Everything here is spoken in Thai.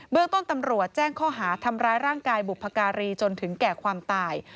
เรื่องต้นตำรวจแจ้งข้อหาทำร้ายร่างกายบุพการีจนถึงแก่ความตาย